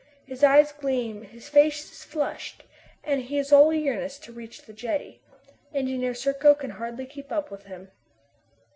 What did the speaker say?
His eyes gleam, his face is flushed, and he is all eagerness to reach the jetty. Engineer Serko can hardly keep up with him.